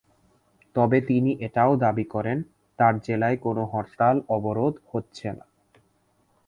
তবে তিনি এটাও দাবি করেন, তাঁর জেলায় কোনো হরতাল-অবরোধ হচ্ছে না।